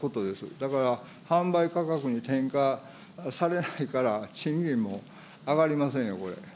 だから販売価格に転嫁されないから、賃金も上がりませんよ、これ。